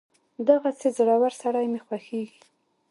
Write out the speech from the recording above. دغسې زړور سړی مې خوښېږي.